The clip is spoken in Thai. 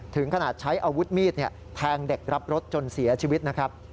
ถึงขนาดใช้อาวุธมีดแทงเด็กรับรถจนเสียชีวิตนะครับ